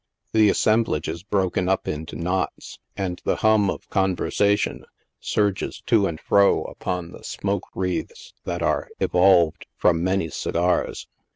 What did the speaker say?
The assemblage is broken up into knots, and the hum of conversation surges to and fro upon the smoke wreaths that are evolved from many segars.